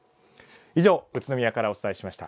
以上、宇都宮からお伝えしました。